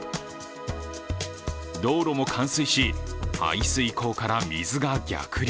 道路も冠水し、排水溝から水が逆流。